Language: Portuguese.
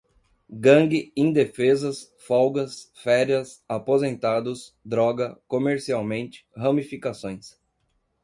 gangue, indefesas, folgas, férias, aposentados, droga, comercialmente, ramificações